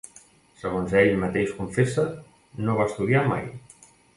Segons ell mateix confessa, no va estudiar mai.